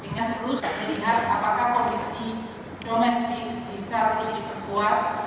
dengan terus melihat apakah kondisi domestik bisa terus diperkuat